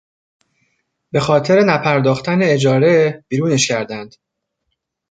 به خاطر نپرداختن اجاره بیرونش کردند.